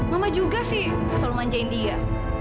mama juga sih selalu manjain dia